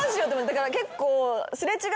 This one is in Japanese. だから結構。